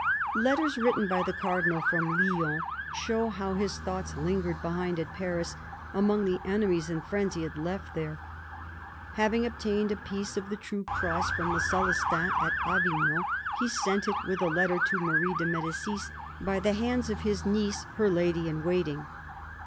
Letters written by the Cardinal from Lyons show how his thoughts lingered behind at Paris, among the enemies and friends he had left there. Having obtained a piece of the True Cross from the Celestins at Avignon, he sent it, with a letter, to Marie de M6dicis, by the hands of his niece, her lady in waiting.